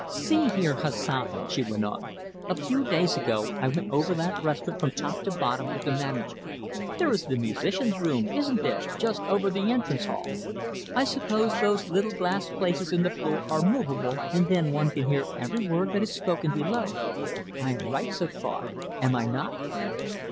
"See here, Hassan," she went on, "a few days ago I went over that restaurant from top to bottom with the manager. There is the musicians' room, isn't there, just over the entrance hall? I suppose those little glass places in the floor are movable, and then one can hear every word that is spoken below. I am right so far, am I not?"